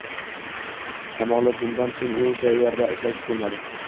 Kamoliddindan so`ng o`sha erda ishlagisi kelmadi